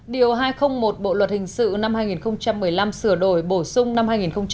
điều hai trăm linh một bộ luật hình sự năm hai nghìn một mươi năm sửa đổi bổ sung năm hai nghìn một mươi bảy